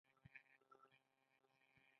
د خوست جلغوزي ولې تور طلایی بلل کیږي؟